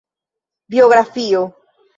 Bibliografio.